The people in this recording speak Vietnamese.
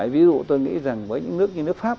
ví dụ tôi nghĩ rằng với những nước như nước phát triển